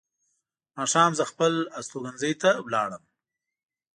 ماښام زه خپل استوګنځي ته ولاړم.